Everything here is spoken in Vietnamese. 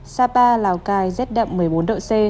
sapa lào cai rét đậm một mươi bốn độ c